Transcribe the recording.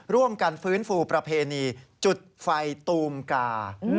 ร่วมกันฟื้นฟูประเพณีจุดไฟตูมกา